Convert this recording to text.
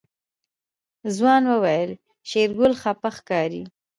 ځوان وويل شېرګل خپه ښکاري.